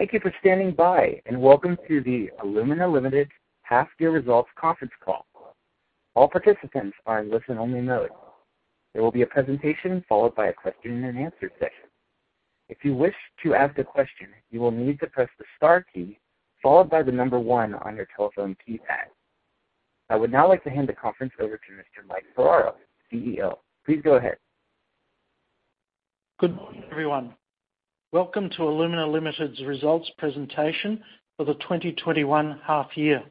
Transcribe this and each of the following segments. Thank you for standing by, and welcome to the Alumina Limited Half-Year Results Conference Call. All participants are in listen-only mode. There will be a presentation followed by a question-and-answer session. If you wish to ask a question, you will need to press the star key followed by the number one on your telephone keypad. I would now like to hand the conference over to Mr. Mike Ferraro, CEO. Please go ahead. Good morning, everyone. Welcome to Alumina Limited's results presentation for the 2021 half-year.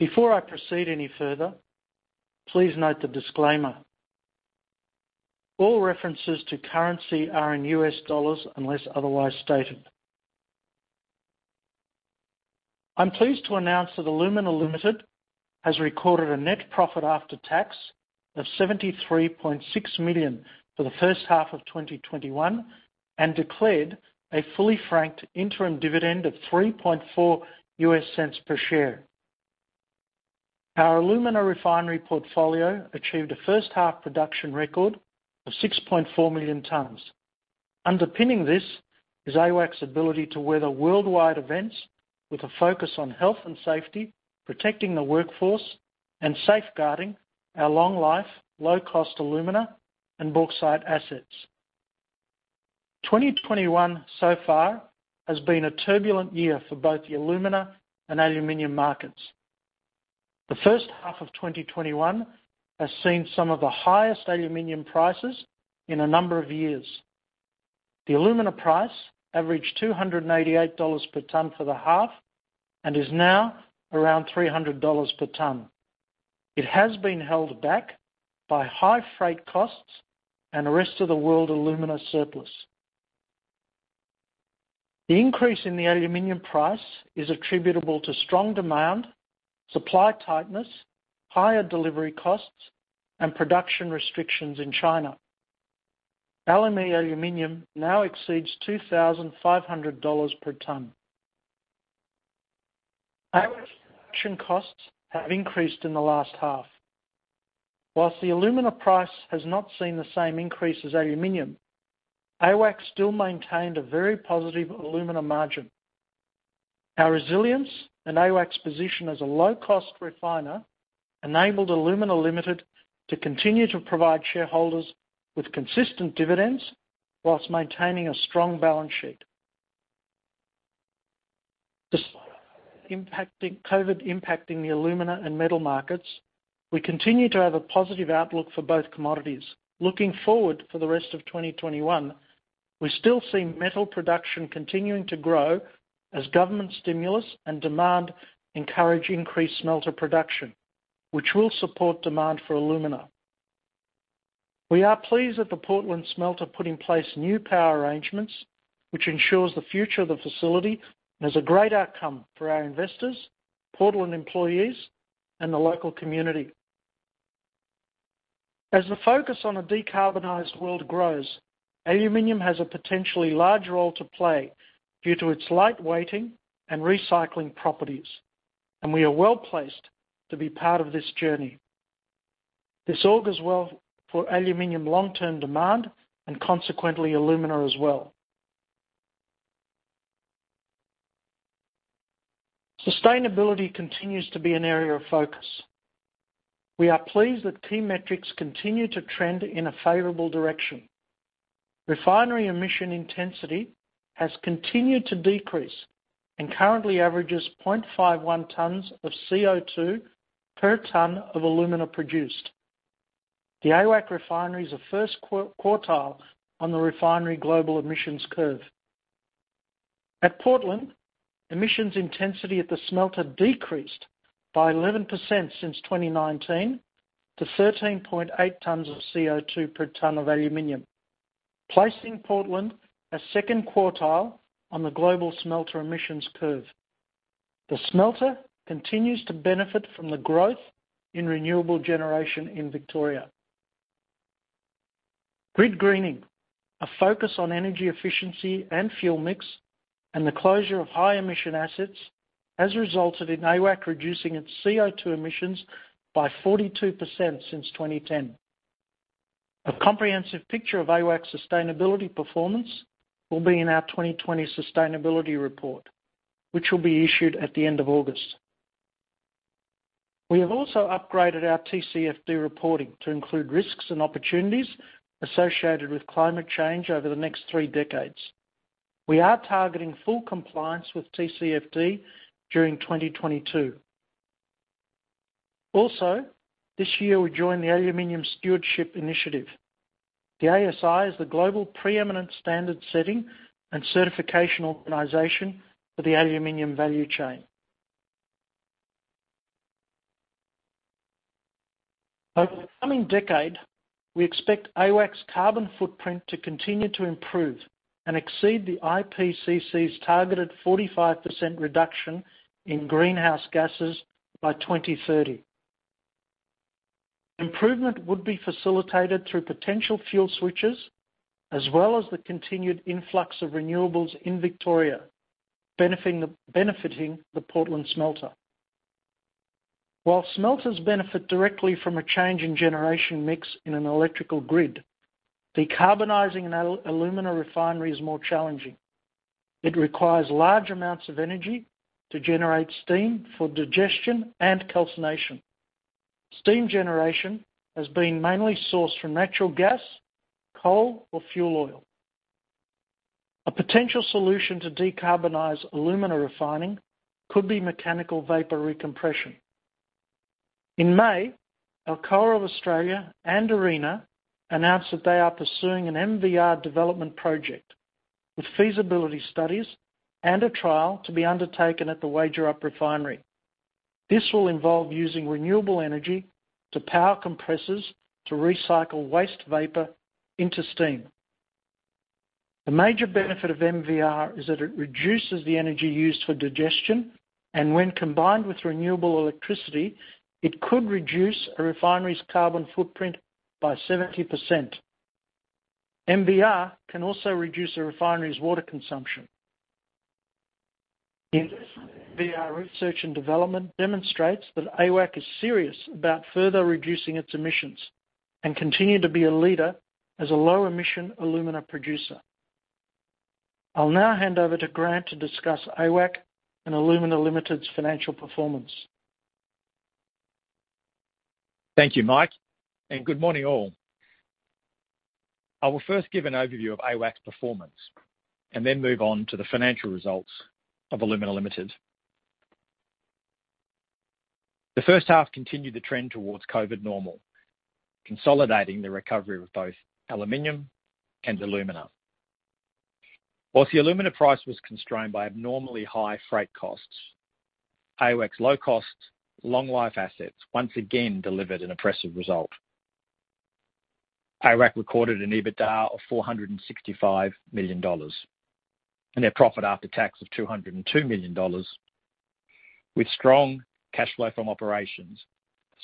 Before I proceed any further, please note the disclaimer. All references to currency are in U.S. dollars unless otherwise stated. I'm pleased to announce that Alumina Limited has recorded a net profit after tax of $73.6 million for the first half of 2021, and declared a fully franked interim dividend of $0.034 per share. Our alumina refinery portfolio achieved a first half production record of 6.4 million tonnes. Underpinning this is AWAC's ability to weather worldwide events with a focus on health and safety, protecting the workforce, and safeguarding our long life, low-cost alumina and bauxite assets. 2021 so far has been a turbulent year for both the alumina and aluminum markets. The first half of 2021 has seen some of the highest aluminum prices in a number of years. The alumina price averaged $288 per tonne for the half and is now around $300 per tonne. It has been held back by high freight costs and the rest of the world alumina surplus. The increase in the aluminum price is attributable to strong demand, supply tightness, higher delivery costs, and production restrictions in China. LME aluminum now exceeds $2,500 per tonne. AWAC's production costs have increased in the last half. Whilst the alumina price has not seen the same increase as aluminum, AWAC still maintained a very positive alumina margin. Our resilience and AWAC's position as a low-cost refiner enabled Alumina Limited to continue to provide shareholders with consistent dividends whilst maintaining a strong balance sheet. Despite COVID impacting the alumina and metal markets, we continue to have a positive outlook for both commodities. Looking forward for the rest of 2021, we still see metal production continuing to grow as government stimulus and demand encourage increased smelter production, which will support demand for alumina. We are pleased that the Portland smelter put in place new power arrangements, which ensures the future of the facility and is a great outcome for our investors, Portland employees, and the local community. As the focus on a decarbonized world grows, aluminum has a potentially large role to play due to its light weighting and recycling properties, and we are well-placed to be part of this journey. This all goes well for aluminum long-term demand and consequently alumina as well. Sustainability continues to be an area of focus. We are pleased that key metrics continue to trend in a favorable direction. Refinery emission intensity has continued to decrease and currently averages 0.51 tonnes of CO2 per tonne of alumina produced. The AWAC refinery is a first quartile on the refinery global emissions curve. At Portland, emissions intensity at the smelter decreased by 11% since 2019 to 13.8 tonnes of CO2 per tonne of aluminum, placing Portland as second quartile on the global smelter emissions curve. The smelter continues to benefit from the growth in renewable generation in Victoria. Grid greening, a focus on energy efficiency and fuel mix, and the closure of high-emission assets has resulted in AWAC reducing its CO2 emissions by 42% since 2010. A comprehensive picture of AWAC's sustainability performance will be in our 2020 sustainability report, which will be issued at the end of August. We have also upgraded our TCFD reporting to include risks and opportunities associated with climate change over the next three decades. We are targeting full compliance with TCFD during 2022. Also, this year we joined the Aluminium Stewardship Initiative. The ASI is the global preeminent standard-setting and certification organization for the aluminum value chain. Over the coming decade, we expect AWAC's carbon footprint to continue to improve and exceed the IPCC's targeted 45% reduction in greenhouse gases by 2030. Improvement would be facilitated through potential fuel switches, as well as the continued influx of renewables in Victoria, benefiting the Portland smelter. While smelters benefit directly from a change in generation mix in an electrical grid, decarbonizing an alumina refinery is more challenging. It requires large amounts of energy to generate steam for digestion and calcination. Steam generation has been mainly sourced from natural gas, coal or fuel oil. A potential solution to decarbonize alumina refining could be Mechanical Vapor Recompression. In May, Alcoa of Australia and ARENA announced that they are pursuing an MVR development project with feasibility studies and a trial to be undertaken at the Wagerup refinery. This will involve using renewable energy to power compressors to recycle waste vapor into steam. The major benefit of MVR is that it reduces the energy used for digestion, and when combined with renewable electricity, it could reduce a refinery's carbon footprint by 70%. MVR can also reduce a refinery's water consumption. The MVR research and development demonstrates that AWAC is serious about further reducing its emissions and continue to be a leader as a low-emission alumina producer. I'll now hand over to Grant to discuss AWAC and Alumina Limited's financial performance. Thank you, Mike, and good morning all. I will first give an overview of AWAC's performance and then move on to the financial results of Alumina Limited. The first half continued the trend towards COVID normal, consolidating the recovery of both aluminum and alumina. Whilst the alumina price was constrained by abnormally high freight costs, AWAC's low cost, long life assets once again delivered an impressive result. AWAC recorded an EBITDA of $465 million and a profit after tax of $202 million with strong cash flow from operations,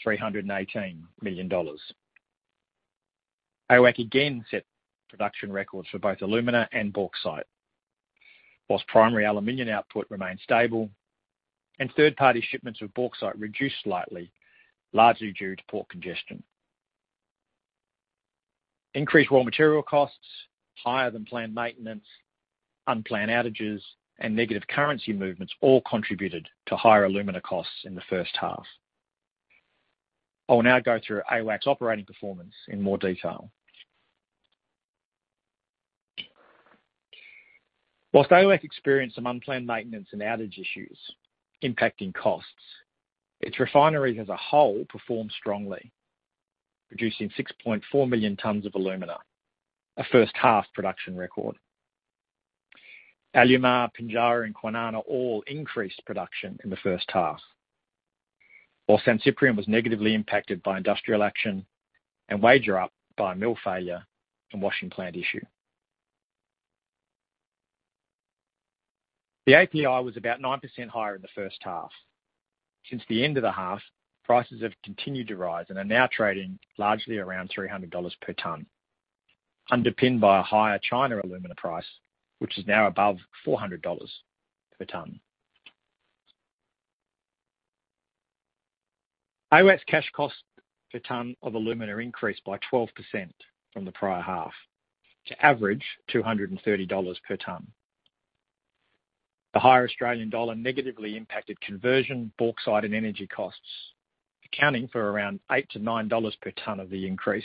$318 million. AWAC again set production records for both alumina and bauxite. Whilst primary aluminum output remained stable and third-party shipments of bauxite reduced slightly, largely due to port congestion. Increased raw material costs, higher than planned maintenance, unplanned outages, and negative currency movements all contributed to higher alumina costs in the first half. I will now go through AWAC's operating performance in more detail. Whilst AWAC experienced some unplanned maintenance and outage issues impacting costs, its refineries as a whole performed strongly, producing 6.4 million tonnes of alumina, a first half production record. Alumar, Pinjarra and Kwinana all increased production in the first half, while San Ciprián was negatively impacted by industrial action and Wagerup by a mill failure and washing plant issue. The API was about 9% higher in the first half. Since the end of the half, prices have continued to rise and are now trading largely around $300 per tonne, underpinned by a higher China alumina price, which is now above $400 per tonne. AWAC's cash cost per tonne of alumina increased by 12% from the prior half to average $230 per tonne. The higher Australian dollar negatively impacted conversion, bauxite, and energy costs, accounting for around $8-$9 per tonne of the increase.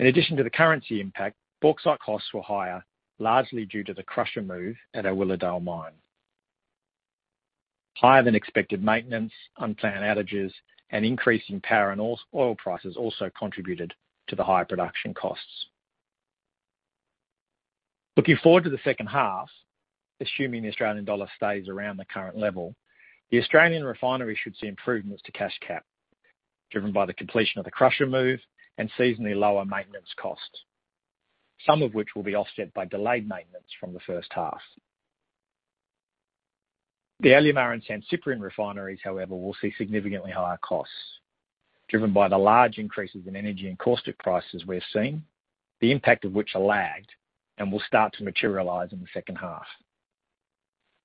In addition to the currency impact, bauxite costs were higher, largely due to the crusher move at our Willowdale mine. Higher than expected maintenance, unplanned outages, and increase in power and oil prices also contributed to the higher production costs. Looking forward to the second half, assuming the Australian dollar stays around the current level, the Australian refinery should see improvements to cash cost, driven by the completion of the crusher move and seasonally lower maintenance costs, some of which will be offset by delayed maintenance from the first half. The Alumar and San Ciprián refineries, however, will see significantly higher costs, driven by the large increases in energy and caustic prices we're seeing, the impact of which are lagged and will start to materialize in the second half.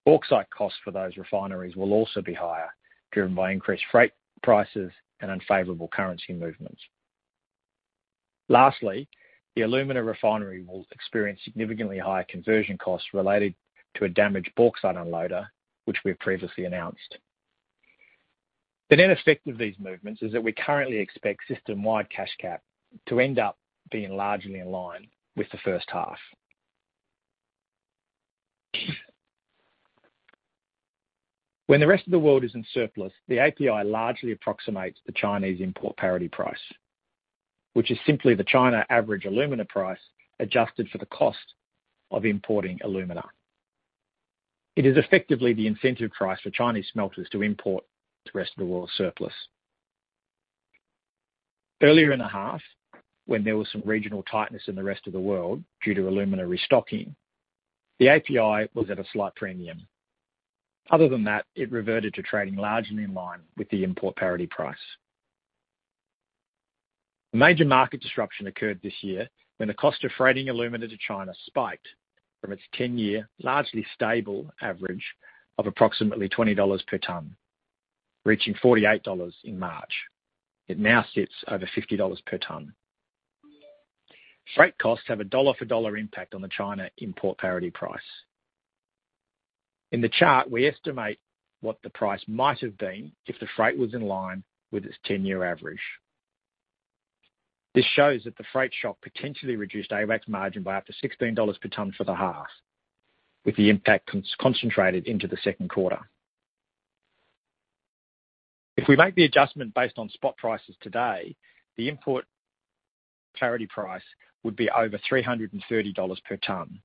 Bauxite costs for those refineries will also be higher, driven by increased freight prices and unfavorable currency movements. Lastly, the alumina refinery will experience significantly higher conversion costs related to a damaged bauxite unloader, which we have previously announced. The net effect of these movements is that we currently expect system-wide cash cost to end up being largely in line with the first half. When the rest of the world is in surplus, the API largely approximates the Chinese import parity price, which is simply the China average alumina price adjusted for the cost of importing alumina. It is effectively the incentive price for Chinese smelters to import the rest of the world surplus. Earlier in the half, when there was some regional tightness in the rest of the world due to alumina restocking, the API was at a slight premium. Other than that, it reverted to trading largely in line with the import parity price. A major market disruption occurred this year when the cost of freighting alumina to China spiked from its 10-year largely stable average of approximately $20 per tonne, reaching $48 in March. It now sits over $50 per tonne. Freight costs have a dollar-for-dollar impact on the China import parity price. In the chart, we estimate what the price might have been if the freight was in line with its 10-year average. This shows that the freight shock potentially reduced AWAC's margin by up to $16 per tonne for the half, with the impact concentrated into the second quarter. If we make the adjustment based on spot prices today, the import parity price would be over $330 per tonne,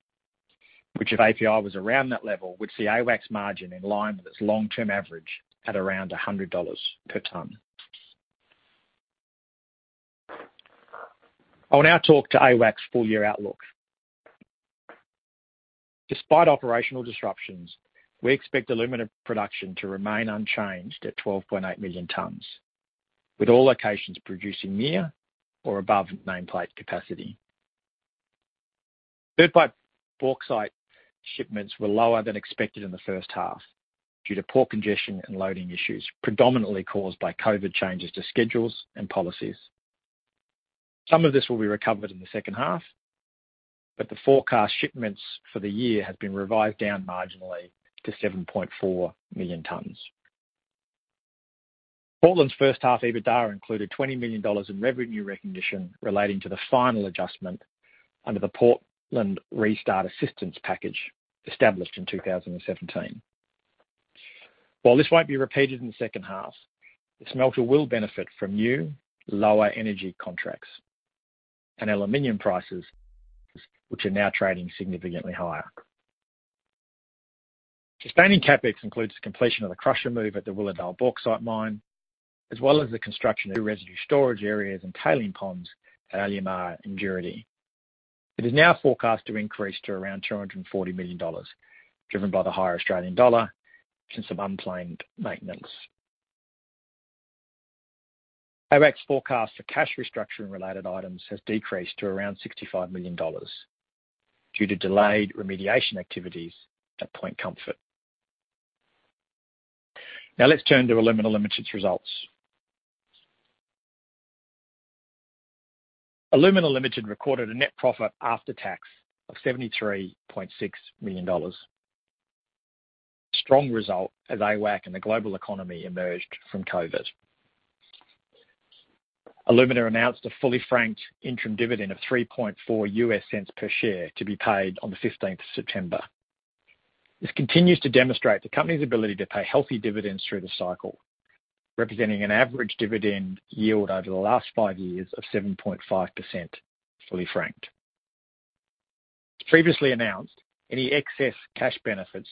which if API was around that level, would see AWAC's margin in line with its long-term average at around $100 per tonne. I'll now talk to AWAC's full-year outlook. Despite operational disruptions, we expect alumina production to remain unchanged at 12.8 million tonnes, with all locations producing near or above nameplate capacity. Third-party bauxite shipments were lower than expected in the first half due to port congestion and loading issues predominantly caused by COVID changes to schedules and policies. Some of this will be recovered in the second half, but the forecast shipments for the year has been revised down marginally to 7.4 million tonnes. Portland's first half EBITDA included $20 million in revenue recognition relating to the final adjustment under the Portland Restart Assistance Package established in 2017. While this won't be repeated in the second half, the smelter will benefit from new lower energy contracts and aluminum prices, which are now trading significantly higher. Sustaining CapEx includes the completion of the crusher move at the Willowdale Bauxite Mine, as well as the construction of residue storage areas and tailing ponds at Alumar and Juruti. It is now forecast to increase to around $240 million, driven by the higher Australian dollar and some unplanned maintenance. AWAC's forecast for cash restructuring-related items has decreased to around $65 million due to delayed remediation activities at Point Comfort. Let's turn to Alumina Limited's results. Alumina Limited recorded a net profit after tax of $73.6 million. Strong result as AWAC and the global economy emerged from COVID. Alumina announced a fully franked interim dividend of $0.034 per share to be paid on the 15th of September. This continues to demonstrate the company's ability to pay healthy dividends through the cycle, representing an average dividend yield over the last five years of 7.5%, fully franked. As previously announced, any excess cash benefits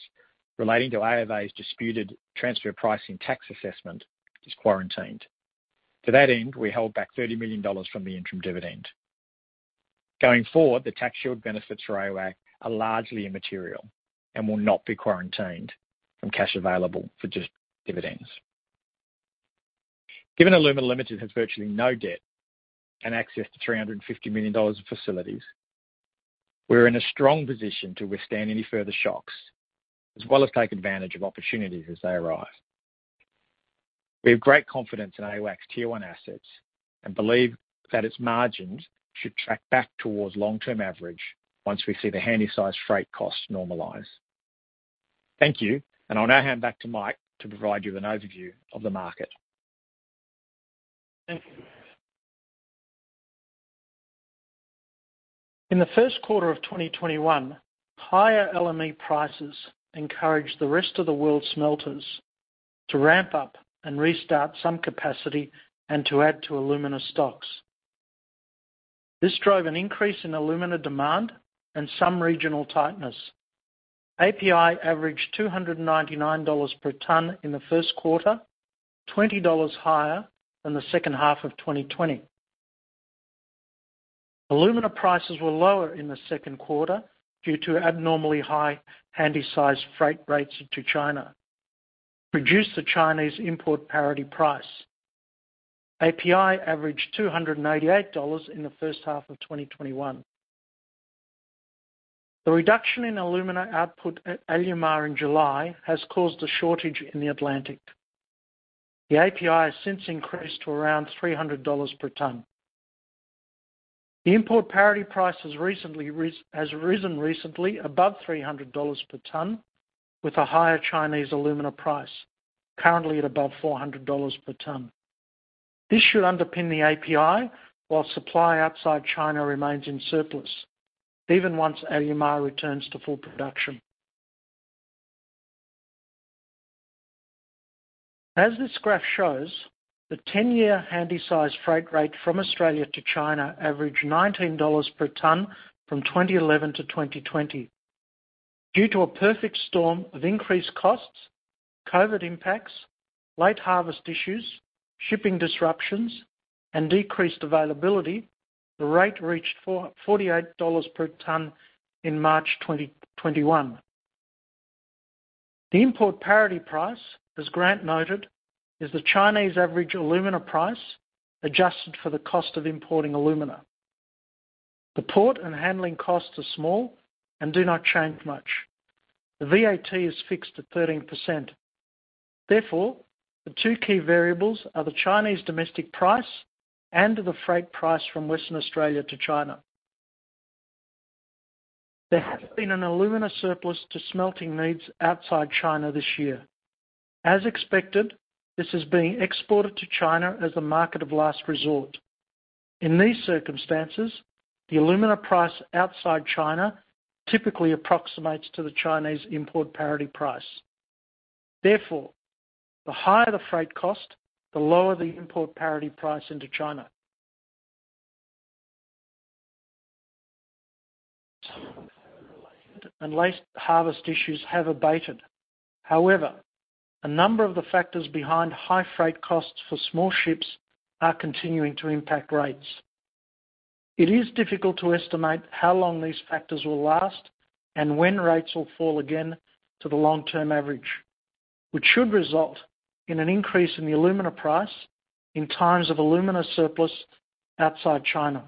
relating to AofA's disputed transfer pricing tax assessment is quarantined. To that end, we held back $30 million from the interim dividend. Going forward, the tax shield benefits for AWAC are largely immaterial and will not be quarantined from cash available for just dividends. Given Alumina Limited has virtually no debt and access to $350 million of facilities, we're in a strong position to withstand any further shocks, as well as take advantage of opportunities as they arise. We have great confidence in AWAC's Tier 1 assets and believe that its margins should track back towards long-term average once we see the Handysize freight costs normalize. Thank you. I'll now hand back to Mike to provide you with an overview of the market. Thank you. In the first quarter of 2021, higher LME prices encouraged the rest of the world's smelters to ramp up and restart some capacity and to add to alumina stocks. This drove an increase in alumina demand and some regional tightness. API averaged $299 per tonne in the first quarter, $20 higher than the second half of 2020. Alumina prices were lower in the second quarter due to abnormally high Handysize freight rates to China, reduced the Chinese import parity price. API averaged $288 in the first half of 2021. The reduction in alumina output at Alumar in July has caused a shortage in the Atlantic. The API has since increased to around $300 per tonne. The import parity price has risen recently above $300 per tonne with a higher Chinese alumina price, currently at above $400 per tonne. This should underpin the API while supply outside China remains in surplus, even once Alumar returns to full production. As this graph shows, the 10-year Handysize freight rate from Australia to China averaged $19 per tonne from 2011 to 2020. Due to a perfect storm of increased costs, COVID impacts, late harvest issues, shipping disruptions, and decreased availability, the rate reached $48 per tonne in March 2021. The import parity price, as Grant noted, is the Chinese average alumina price adjusted for the cost of importing alumina. The port and handling costs are small and do not change much. The VAT is fixed at 13%. Therefore, the two key variables are the Chinese domestic price and the freight price from Western Australia to China. There has been an alumina surplus to smelting needs outside China this year. As expected, this is being exported to China as a market of last resort. In these circumstances, the alumina price outside China typically approximates to the Chinese import parity price. Therefore, the higher the freight cost, the lower the import parity price into China. related and late harvest issues have abated. However, a number of the factors behind high freight costs for small ships are continuing to impact rates. It is difficult to estimate how long these factors will last and when rates will fall again to the long-term average, which should result in an increase in the alumina price in times of alumina surplus outside China.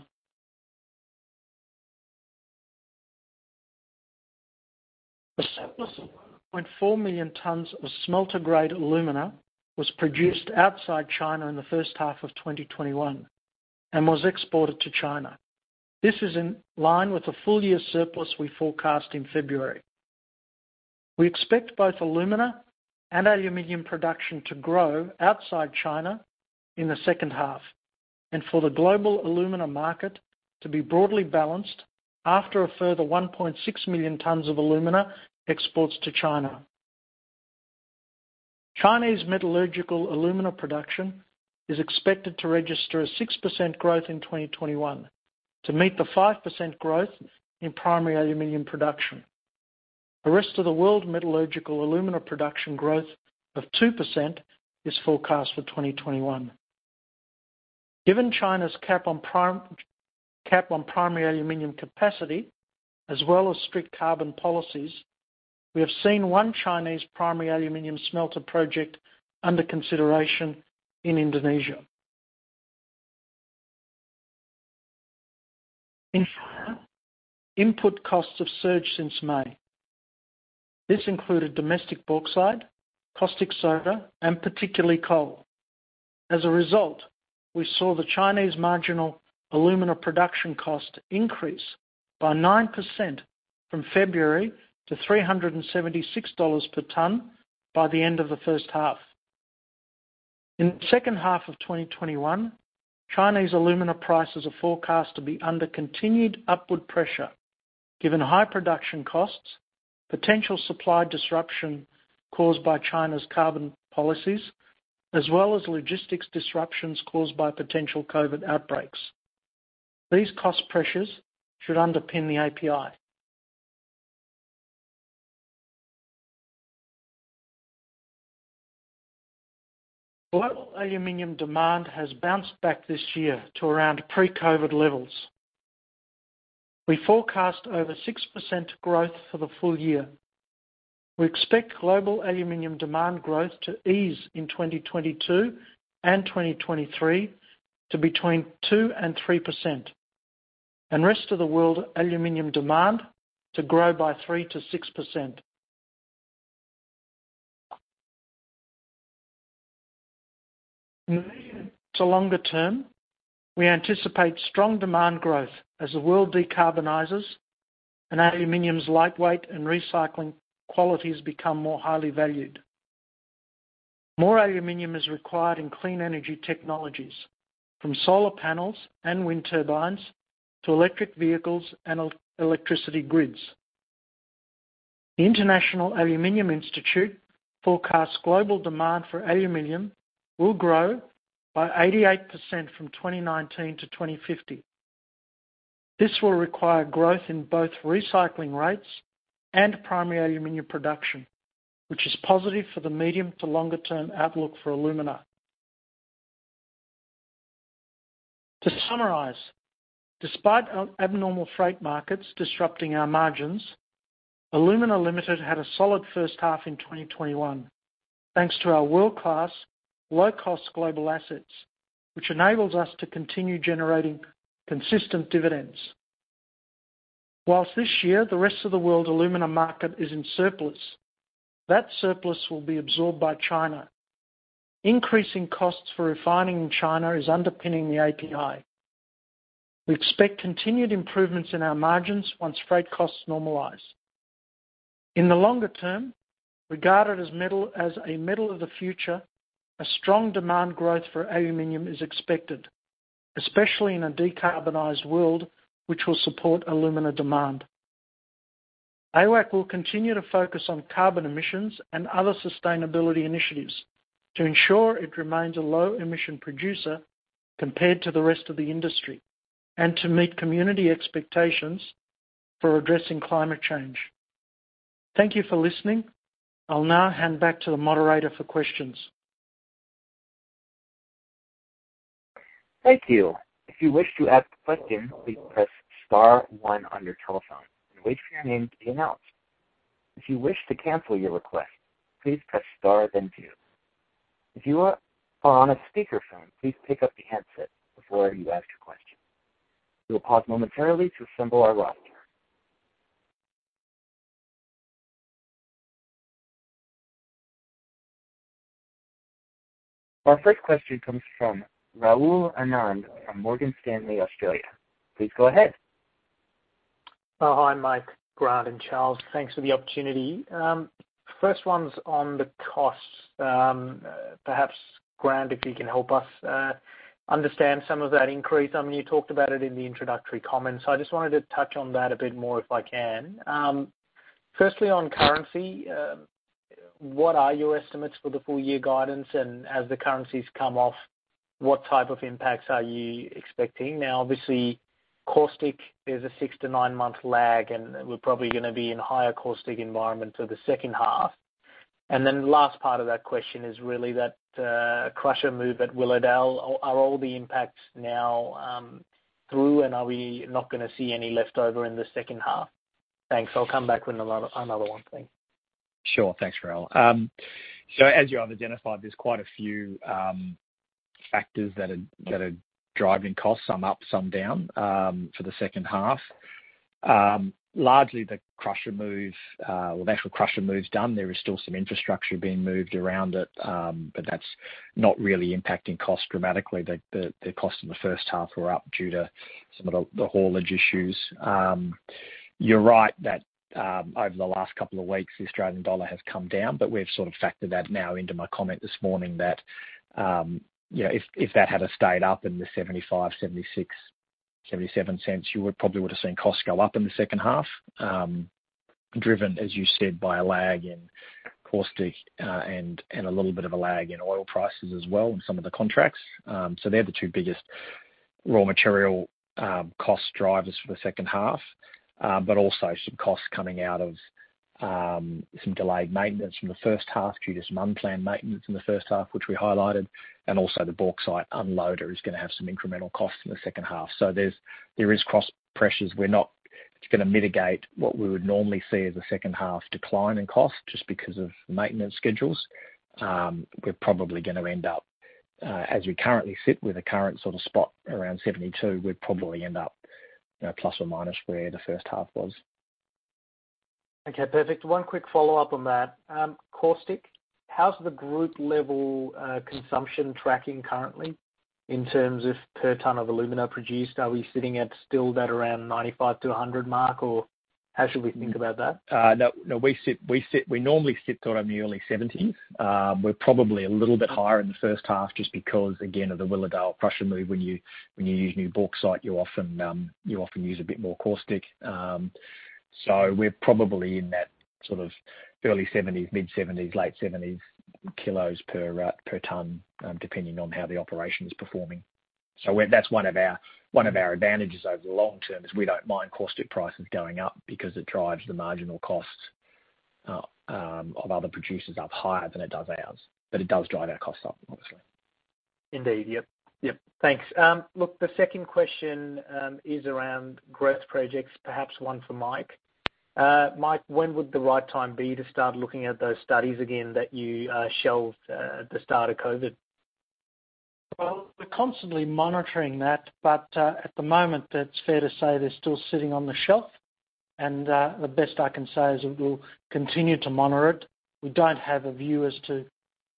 A surplus of 1.4 million tons of smelter-grade alumina was produced outside China in the first half of 2021 and was exported to China. This is in line with the full-year surplus we forecast in February. We expect both alumina and aluminum production to grow outside China in the second half, and for the global alumina market to be broadly balanced after a further 1.6 million tons of alumina exports to China. Chinese metallurgical alumina production is expected to register a 6% growth in 2021 to meet the 5% growth in primary aluminum production. The rest of the world metallurgical alumina production growth of 2% is forecast for 2021. Given China's cap on primary aluminum capacity as well as strict carbon policies, we have seen one Chinese primary aluminum smelter project under consideration in Indonesia. In China, input costs have surged since May. This included domestic bauxite, caustic soda, and particularly coal. As a result, we saw the Chinese marginal alumina production cost increase by 9% from February to $376 per ton by the end of the first half. In the second half of 2021, Chinese alumina prices are forecast to be under continued upward pressure given high production costs, potential supply disruption caused by China's carbon policies, as well as logistics disruptions caused by potential COVID outbreaks. These cost pressures should underpin the API. Global aluminum demand has bounced back this year to around pre-COVID levels. We forecast over 6% growth for the full year. We expect global aluminum demand growth to ease in 2022 and 2023 to between 2% and 3%, and rest of the world aluminum demand to grow by 3%-6%. In the medium to longer term, we anticipate strong demand growth as the world decarbonizes and aluminum's lightweight and recycling qualities become more highly valued. More aluminum is required in clean energy technologies, from solar panels and wind turbines to electric vehicles and electricity grids. The International Aluminium Institute forecasts global demand for aluminum will grow by 88% from 2019 to 2050. This will require growth in both recycling rates and primary aluminum production, which is positive for the medium to longer term outlook for alumina. To summarize, despite abnormal freight markets disrupting our margins, Alumina Limited had a solid first half in 2021, thanks to our world-class, low-cost global assets, which enables us to continue generating consistent dividends. This year the rest of the world alumina market is in surplus, that surplus will be absorbed by China. Increasing costs for refining in China is underpinning the API. We expect continued improvements in our margins once freight costs normalize. In the longer term, regarded as a metal of the future, a strong demand growth for aluminum is expected, especially in a decarbonized world, which will support alumina demand. AWAC will continue to focus on carbon emissions and other sustainability initiatives to ensure it remains a low-emission producer compared to the rest of the industry and to meet community expectations for addressing climate change. Thank you for listening. I'll now hand back to the moderator for questions. Thank you. If you wish to ask a question please press star one on your telephone. And wait for your name to be announced. If you wish to cancel your request please press star then two. If you're on a speaker phone please pick up your handset before you ask a question. We'll pose momentarily to assemble our roster. Our first question comes from Rahul Anand from Morgan Stanley, Australia. Please go ahead. Hi, Mike, Grant, and Charles. Thanks for the opportunity. First one's on the costs. Perhaps, Grant, if you can help us understand some of that increase. You talked about it in the introductory comments. I just wanted to touch on that a bit more if I can. Firstly, on currency, what are your estimates for the full-year guidance? As the currencies come off, what type of impacts are you expecting? Now, obviously, caustic is a six to nine-month lag, and we're probably going to be in a higher caustic environment for the second half. The last part of that question is really that crusher move at Willowdale. Are all the impacts now through, and are we not going to see any leftover in the second half? Thanks. I'll come back with another one. Thanks. Sure. Thanks, Rahul. As you have identified, there's quite a few factors that are driving costs, some up, some down, for the second half. Largely, the crusher move, well, the actual crusher move's done. There is still some infrastructure being moved around it, but that's not really impacting cost dramatically. The cost in the first half were up due to some of the haulage issues. You're right that over the last couple of weeks, the Australian dollar has come down, but we've sort of factored that now into my comment this morning that if that had have stayed up in the $0.75, $0.76, $0.77, you would probably would've seen costs go up in the second half, driven, as you said, by a lag in caustic and a little bit of a lag in oil prices as well in some of the contracts. They're the two biggest raw material cost drivers for the second half. Also some costs coming out of some delayed maintenance from the first half due to some unplanned maintenance in the first half, which we highlighted. Also the bauxite unloader is going to have some incremental costs in the second half. There is cost pressures. It's going to mitigate what we would normally see as a second half decline in cost just because of maintenance schedules. We're probably going to end up, as we currently sit with the current sort of spot around $72, we'd probably end up plus or minus where the first half was. Okay, perfect. One quick follow-up on that. Caustic, how's the group level consumption tracking currently in terms of per ton of alumina produced? Are we sitting at still that around 95-100 mark, or how should we think about that? No. We normally sit sort of in the early 70s. We're probably a little bit higher in the first half just because, again, of the Willowdale crusher move. When you use new bauxite, you often use a bit more caustic. We're probably in that sort of early 70s, mid-70s, late 70s kilos per ton, depending on how the operation is performing. That's one of our advantages over the long term is we don't mind caustic prices going up because it drives the marginal costs of other producers up higher than it does ours. It does drive our costs up, obviously. Indeed. Yes. Thanks. Look, the second question is around growth projects, perhaps one for Mike. Mike, when would the right time be to start looking at those studies again that you shelved at the start of COVID? Well, we're constantly monitoring that, but at the moment, it's fair to say they're still sitting on the shelf, and the best I can say is that we'll continue to monitor it. We don't have a view as to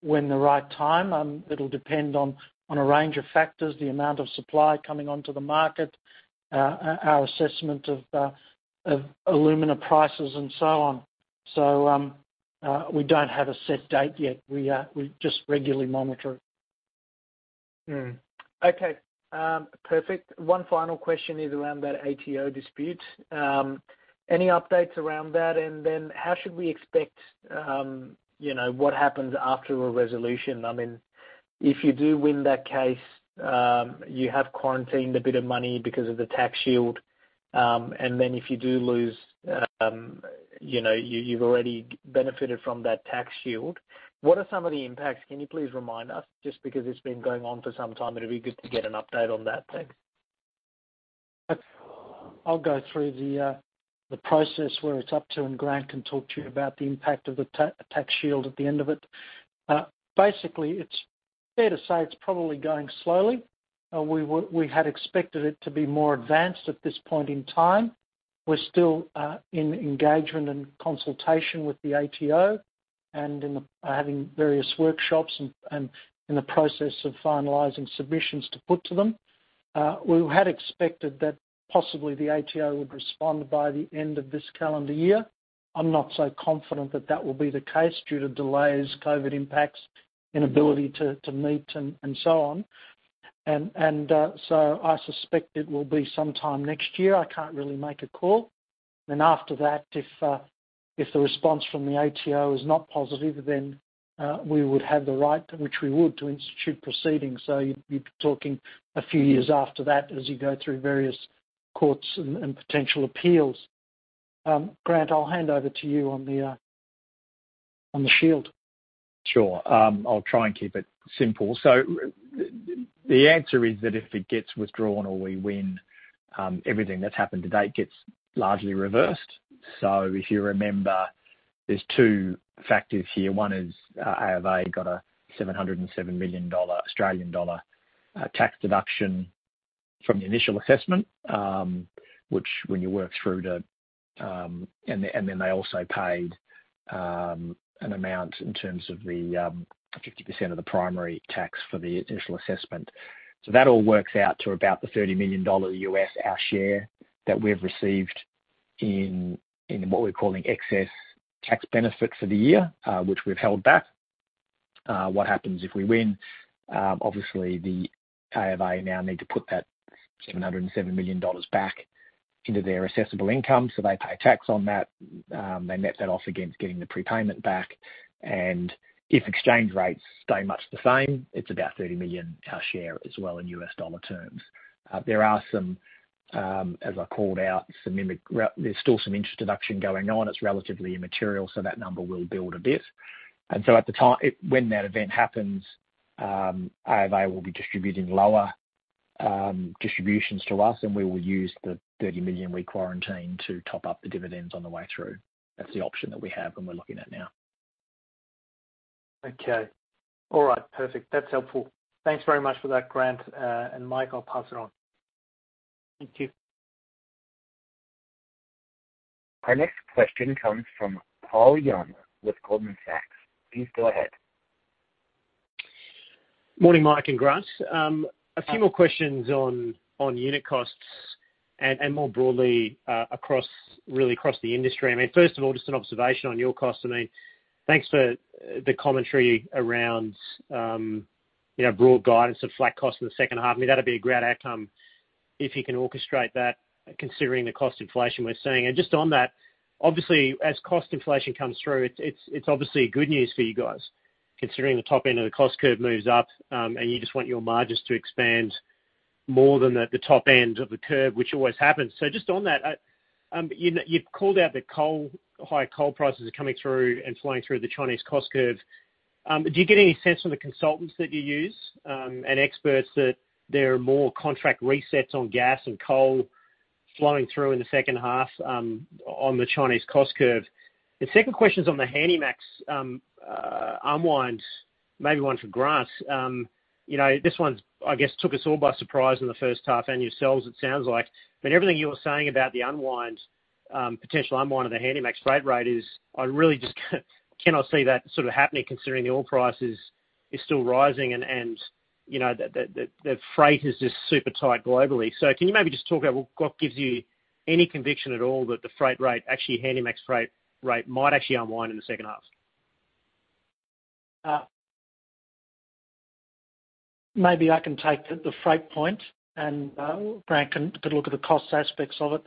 when the right time. It'll depend on a range of factors, the amount of supply coming onto the market, our assessment of alumina prices, and so on. We don't have a set date yet. We just regularly monitor it. Okay, perfect. One final question is around that ATO dispute. Any updates around that? How should we expect what happens after a resolution? If you do win that case, you have quarantined a bit of money because of the tax shield, and then if you do lose, you've already benefited from that tax shield. What are some of the impacts? Can you please remind us? Just because it's been going on for some time, it'd be good to get an update on that. Thanks. I'll go through the process where it's up to, and Grant can talk to you about the impact of the tax shield at the end of it. Basically, it's fair to say it's probably going slowly. We had expected it to be more advanced at this point in time. We're still in engagement and consultation with the ATO and having various workshops and in the process of finalizing submissions to put to them. We had expected that possibly the ATO would respond by the end of this calendar year. I'm not so confident that that will be the case due to delays, COVID impacts, inability to meet, and so on. I suspect it will be sometime next year. I can't really make a call. After that, if the response from the ATO is not positive, then we would have the right, which we would, to institute proceedings. You'd be talking a few years after that as you go through various courts and potential appeals. Grant, I'll hand over to you on the shield. Sure. I'll try and keep it simple. The answer is that if it gets withdrawn or we win, everything that's happened to date gets largely reversed. If you remember, there's two factors here. One is, AofA got a $707 million tax deduction from the initial assessment, which when you work through to then they also paid an amount in terms of the 50% of the primary tax for the initial assessment. That all works out to about the $30 million our share that we've received in what we're calling excess tax benefit for the year, which we've held back. What happens if we win? The AofA now need to put that $707 million back into their assessable income, so they pay tax on that. They net that off against getting the prepayment back. If exchange rates stay much the same, it's about $30 million our share as well in U.S. dollar terms. There are some, as I called out, there's still some interest deduction going on. It's relatively immaterial, so that number will build a bit. At the time, when that event happens, AofA will be distributing lower distributions to us, and we will use the $30 million we quarantined to top up the dividends on the way through. That's the option that we have and we're looking at now. Okay. All right. Perfect. That's helpful. Thanks very much for that, Grant. Mike, I'll pass it on. Thank you. Our next question comes from Paul Young with Goldman Sachs. Please go ahead. Morning, Mike and Grant. A few more questions on unit costs and more broadly, across the industry. First of all, just an observation on your costs. Thanks for the commentary around broad guidance of flat costs in the second half. That'd be a great outcome if you can orchestrate that considering the cost inflation we're seeing. Just on that, obviously, as cost inflation comes through, it's obviously good news for you guys, considering the top end of the cost curve moves up, and you just want your margins to expand more than the top end of the curve, which always happens. Just on that, you've called out the high coal prices are coming through and flowing through the Chinese cost curve. Do you get any sense from the consultants that you use, and experts that there are more contract resets on gas and coal flowing through in the second half on the Chinese cost curve? The second question is on the Handymax unwind, maybe one for Grant. This one, I guess, took us all by surprise in the first half, and yourselves, it sounds like. Everything you were saying about the potential unwind of the Handymax freight rate is, I really just cannot see that happening considering the oil price is still rising and the freight is just super tight globally. Can you maybe just talk about what gives you any conviction at all that the freight rate, actually Handymax freight rate, might actually unwind in the second half? Maybe I can take the freight point, and Grant can have a look at the cost aspects of it.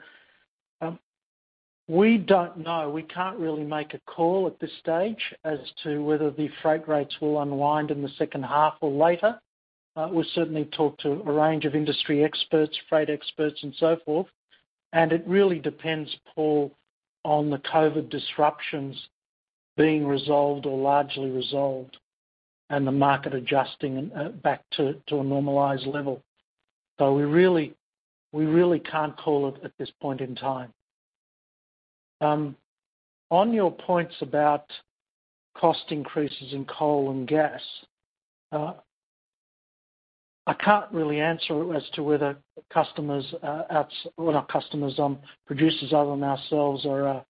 We don't know. We can't really make a call at this stage as to whether the freight rates will unwind in the second half or later. We certainly talk to a range of industry experts, freight experts, and so forth, and it really depends, Paul, on the COVID disruptions being resolved or largely resolved, and the market adjusting back to a normalized level. We really can't call it at this point in time. On your points about cost increases in coal and gas, I can't really answer it as to whether producers other than ourselves are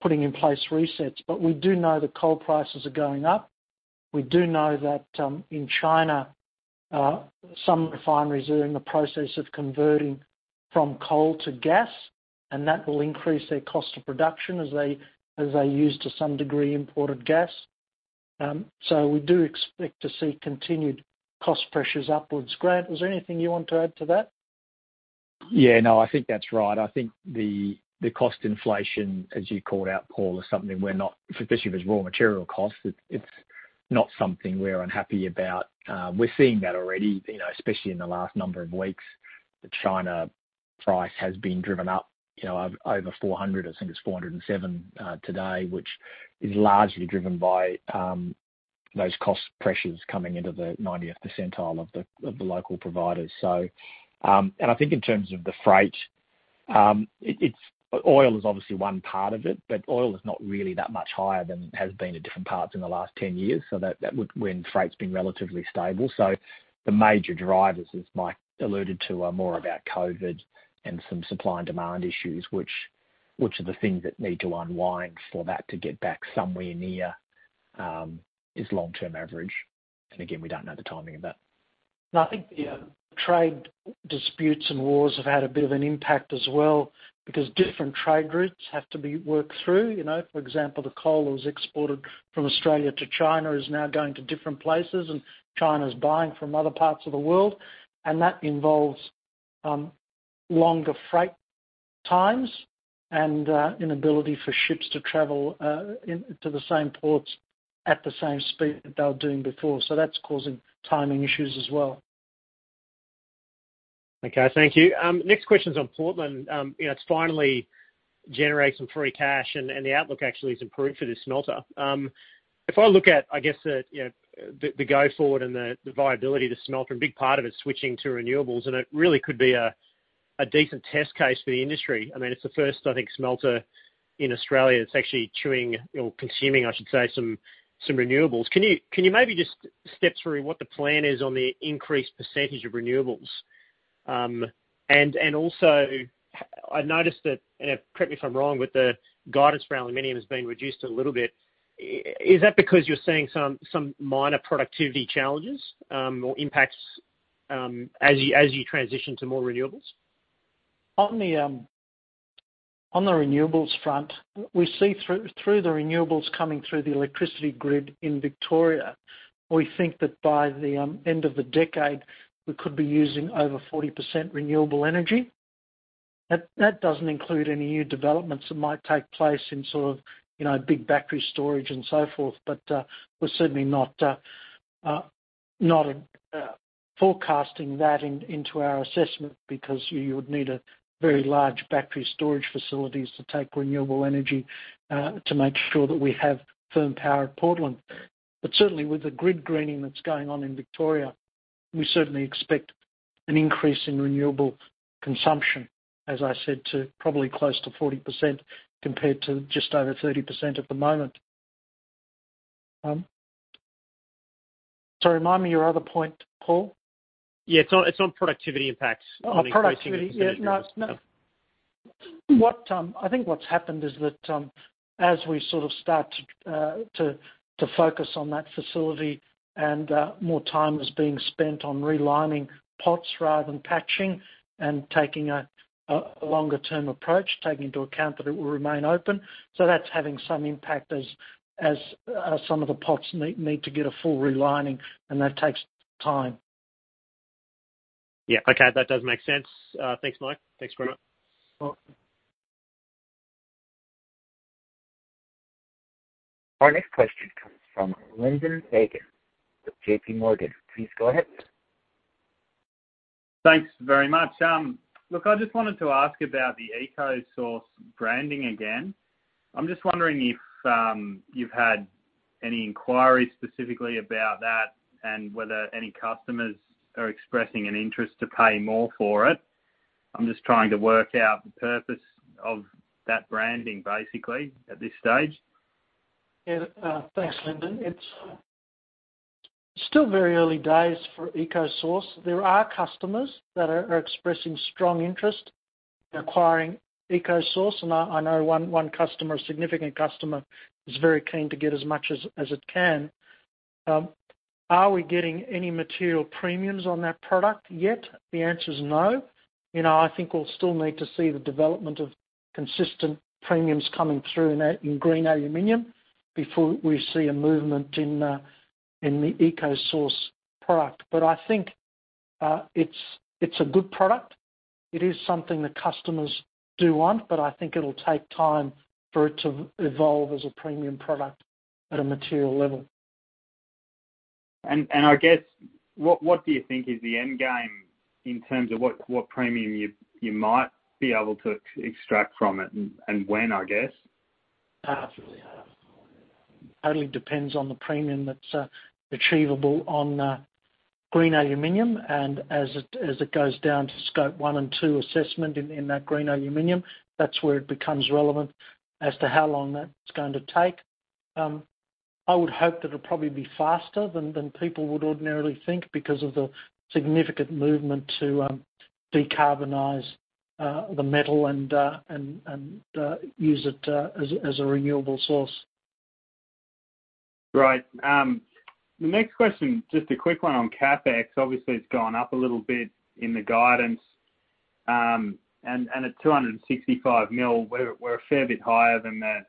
putting in place resets. We do know that coal prices are going up. We do know that in China, some refineries are in the process of converting from coal to gas, and that will increase their cost of production as they use to some degree imported gas. We do expect to see continued cost pressures upwards. Grant, is there anything you want to add to that? No, I think that's right. I think the cost inflation, as you called out, Paul, is something we're not, especially if it's raw material costs, it's not something we're unhappy about. We're seeing that already, especially in the last number of weeks. The China price has been driven up over $400, I think it's $407 today, which is largely driven by those cost pressures coming into the 90th percentile of the local providers. I think in terms of the freight, oil is obviously one part of it, but oil is not really that much higher than it has been at different parts in the last 10 years when freight's been relatively stable. The major drivers, as Mike alluded to, are more about COVID and some supply and demand issues, which are the things that need to unwind for that to get back somewhere near its long-term average. Again, we don't know the timing of that. I think the trade disputes and wars have had a bit of an impact as well because different trade routes have to be worked through. For example, the coal that was exported from Australia to China is now going to different places, and China's buying from other parts of the world. That involves longer freight times and inability for ships to travel to the same ports at the same speed that they were doing before. That's causing timing issues as well. Okay, thank you. Next question's on Portland. It's finally generating some free cash, and the outlook actually has improved for the smelter. If I look at, I guess the go forward and the viability of the smelter, a big part of it is switching to renewables, and it really could be a decent test case for the industry. It's the first, I think, smelter in Australia that's actually chewing or consuming, I should say, some renewables. Can you maybe just step through what the plan is on the increased percentage of renewables? I noticed that, and correct me if I'm wrong, but the guidance for aluminium has been reduced a little bit. Is that because you're seeing some minor productivity challenges or impacts as you transition to more renewables? On the renewables front, we see through the renewables coming through the electricity grid in Victoria. We think that by the end of the decade, we could be using over 40% renewable energy. That doesn't include any new developments that might take place in sort of big battery storage and so forth. But we're certainly not forecasting that into our assessment because you would need a very large battery storage facilities to take renewable energy to make sure that we have firm power at Portland. But certainly, with the grid greening that's going on in Victoria, we certainly expect an increase in renewable consumption, as I said, to probably close to 40% compared to just over 30% at the moment. Sorry, remind me your other point, Paul. Yeah. It's on productivity impacts. Oh, productivity. On increasing renewables. Yeah. I think what's happened is that as we sort of start to focus on that facility and more time is being spent on relining pots rather than patching and taking a longer-term approach, taking into account that it will remain open. That's having some impact as some of the pots need to get a full relining, and that takes time. Yeah. Okay. That does make sense. Thanks, Mike. Thanks very much. Welcome. Our next question comes from Lyndon Fagan with JPMorgan. Please go ahead. Thanks very much. Look, I just wanted to ask about the EcoSource branding again. I'm just wondering if you've had any inquiries specifically about that and whether any customers are expressing an interest to pay more for it. I'm just trying to work out the purpose of that branding, basically, at this stage. Thanks, Lyndon. It's still very early days for EcoSource. There are customers that are expressing strong interest in acquiring EcoSource, and I know one customer, a significant customer, is very keen to get as much as it can. Are we getting any material premiums on that product yet? The answer is no. I think we'll still need to see the development of consistent premiums coming through in green aluminum before we see a movement in the EcoSource product. I think it's a good product. It is something that customers do want, but I think it'll take time for it to evolve as a premium product at a material level. I guess, what do you think is the end game in terms of what premium you might be able to extract from it and when, I guess? It totally depends on the premium that's achievable on green aluminum, and as it goes down to Scope 1 and 2 assessment in that green aluminum, that's where it becomes relevant as to how long that's going to take. I would hope that it'll probably be faster than people would ordinarily think because of the significant movement to decarbonize the metal and use it as a renewable source. Right. The next question, just a quick one on CapEx. Obviously, it's gone up a little bit in the guidance. At $265 million, we're a fair bit higher than the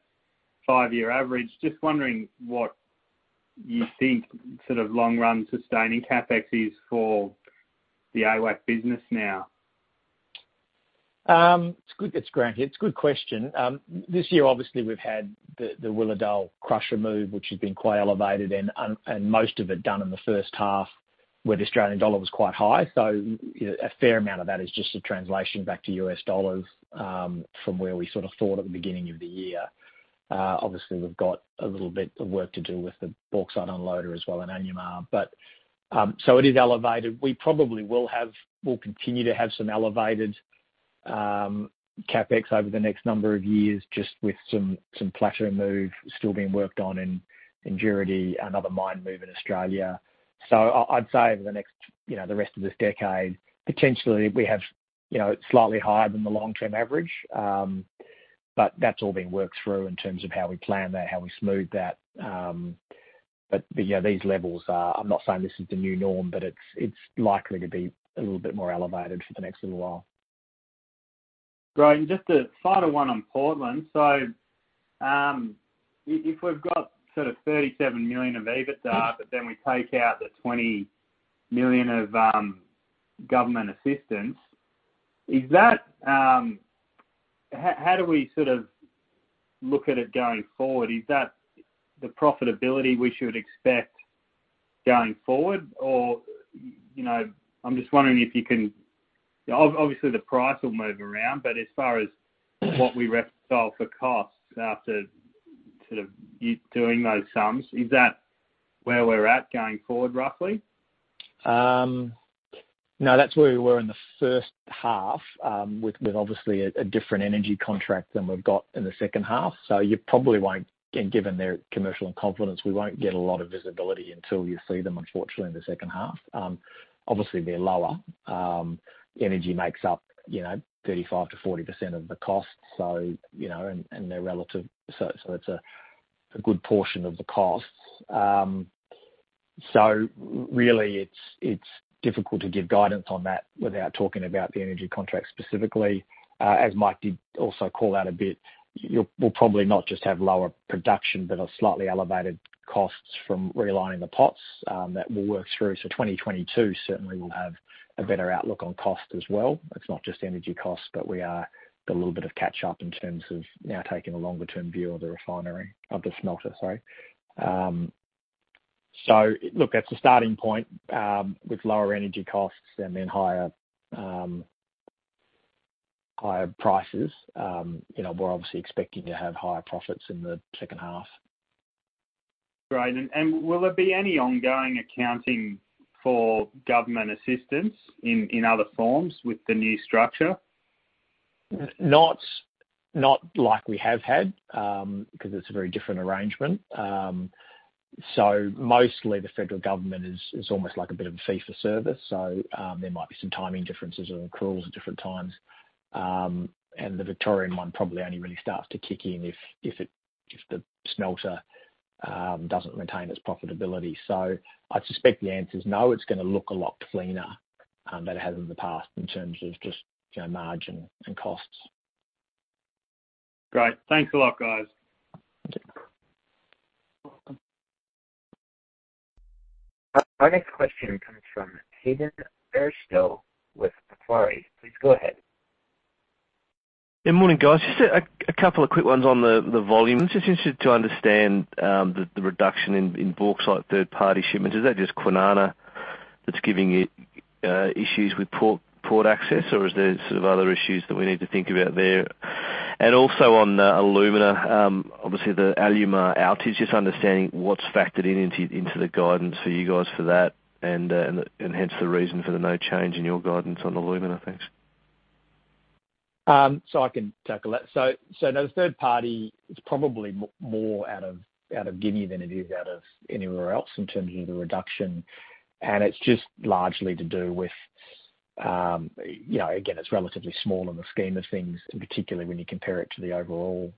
five-year average. Just wondering what you think sort of long-run sustaining CapEx is for the AWAC business now. It's Grant. It's a good question. This year, obviously, we've had the Willowdale crusher remove, which has been quite elevated, and most of it done in the first half where the Australian dollar was quite high. A fair amount of that is just a translation back to U.S. dollars from where we sort of thought at the beginning of the year. Obviously, we've got a little bit of work to do with the bauxite unloader as well in Alumar. It is elevated. We probably will continue to have some elevated CapEx over the next number of years, just with some plateau move still being worked on in Juruti, another mine move in Australia. I'd say over the rest of this decade, potentially we have slightly higher than the long-term average, but that's all being worked through in terms of how we plan that, how we smooth that. These levels are, I'm not saying this is the new norm, but it's likely to be a little bit more elevated for the next little while. Great. Just the final one on Portland. If we've got sort of $37 million of EBITDA, but then we take out the $20 million of government assistance, how do we look at it going forward? Is that the profitability we should expect going forward? I'm just wondering if you can, obviously the price will move around, but as far as what we reconcile for costs after doing those sums, is that where we're at going forward, roughly? No, that's where we were in the first half, with obviously a different energy contract than we've got in the second half. You probably won't, given their commercial in confidence, we won't get a lot of visibility until you see them, unfortunately, in the second half. Obviously, they're lower. Energy makes up 35%-40% of the cost, and they're relative, that's a good portion of the costs. Really it's difficult to give guidance on that without talking about the energy contract specifically. As Mike did also call out a bit, we'll probably not just have lower production, but slightly elevated costs from relining the pots that we'll work through. 2022 certainly will have a better outlook on cost as well. We are a little bit of catch up in terms of now taking a longer-term view of the refinery, of the smelter, sorry. Look, that's the starting point with lower energy costs and then higher prices. We're obviously expecting to have higher profits in the second half. Great. Will there be any ongoing accounting for government assistance in other forms with the new structure? Not like we have had, because it's a very different arrangement. Mostly the federal government is almost like a bit of a fee for service. There might be some timing differences or accruals at different times. The Victorian one probably only really starts to kick in if the smelter doesn't retain its profitability. I suspect the answer's no. It's going to look a lot cleaner than it has in the past in terms of just margin and costs. Great. Thanks a lot, guys. Thank you. Our next question comes from Hayden Bairstow with Macquarie. Please go ahead. Good morning, guys. Just a couple of quick ones on the volume. I'm just interested to understand the reduction in bauxite third-party shipments. Is that just Kwinana that's giving it issues with port access? Or is there other issues that we need to think about there? Also on alumina, obviously the Alumar outage, just understanding what's factored into the guidance for you guys for that and hence the reason for the no change in your guidance on alumina. Thanks. I can tackle that. The third party is probably more out of Guinea than it is out of anywhere else in terms of the reduction. It's just largely to do with, again, it's relatively small in the scheme of things, and particularly when you compare it to the overall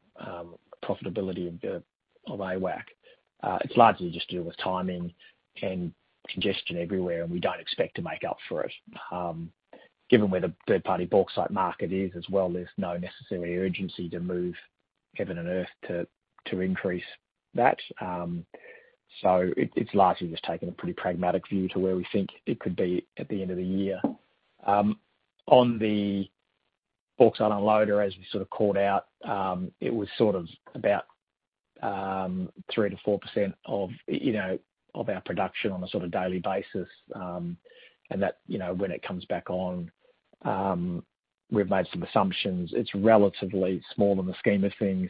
profitability of AWAC. It's largely just to do with timing and congestion everywhere, and we don't expect to make up for it. Given where the third-party bauxite market is as well, there's no necessary urgency to move heaven and earth to increase that. It's largely just taking a pretty pragmatic view to where we think it could be at the end of the year. On the bauxite unloader, as we sort of called out, it was about 3%-4% of our production on a daily basis. That when it comes back on, we've made some assumptions. It's relatively small in the scheme of things.